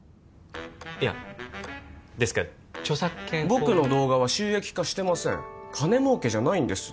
いやですから著作権僕の動画は収益化してません金儲けじゃないんです